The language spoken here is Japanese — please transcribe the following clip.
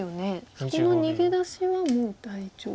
そこの逃げ出しはもう大丈夫。